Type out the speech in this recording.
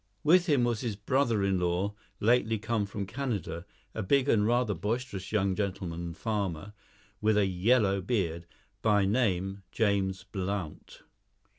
With him was his brother in law, lately come from Canada, a big and rather boisterous young gentleman farmer, with a yellow beard, by name James Blount.